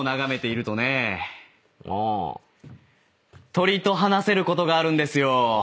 鳥と話せることがあるんですよ。